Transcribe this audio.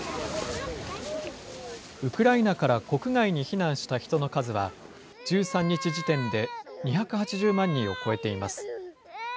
ウクライナから国外に避難した人の数は、１３日時点で２８０万人を超えています。